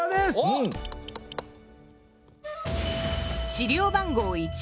資料番号１。